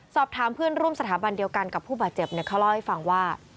สอบถามเพื่อนร่วมสถาบันเดียวกันกับผู้บาดเจ็บเขาเล่าให้ฟังว่า